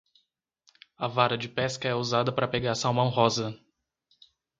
A vara de pesca é usada para pegar salmão rosa.